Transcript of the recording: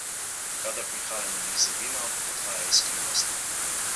Kadar prihaja na mizo vino, odhajajo skrivnosti.